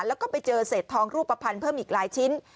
แล้วก็ไปเจอเศษทองรูปภัณฑ์เพิ่มอีกหลายชิ้น